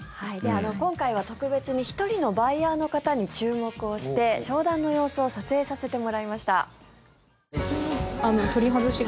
今回は特別に１人のバイヤーの方に注目をして商談の様子を撮影させてもらいました。